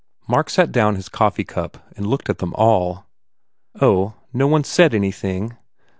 Mark set down his coffee cup and looked at them all. "Oh, no one s said anything?"